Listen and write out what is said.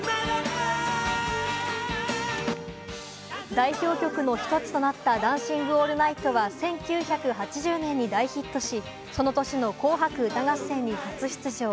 代表曲の１つとなった『ダンシング・オールナイト』は１９８０年に大ヒットし、その年の『紅白歌合戦』に初出場。